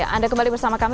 ya anda kembali bersama kami